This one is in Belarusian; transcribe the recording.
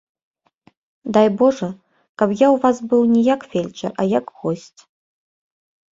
Дай божа, каб я ў вас быў не як фельчар, а як госць.